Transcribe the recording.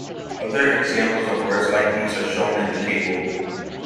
Other examples of words like these are shown in the table.